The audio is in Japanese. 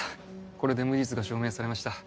これで無実が証明されました。